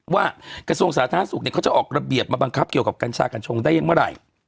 กระทรวงสาธารณสุขเนี่ยเขาจะออกระเบียบมาบังคับเกี่ยวกับกัญชากัญชงได้ยังเมื่อไหร่